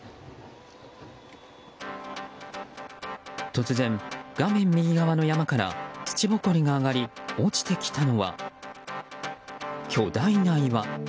突然、画面右側の山から土ぼこりが上がり落ちてきたのは、巨大な岩。